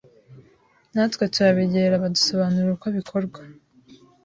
natwe turabegera badusobanurira uko bikorwa